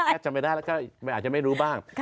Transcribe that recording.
จำไม่ได้แล้วก็อาจจะไม่รู้บ้าง